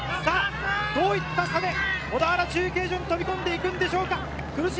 どういった差で小田原中継所に飛び込んでいくのでしょうか。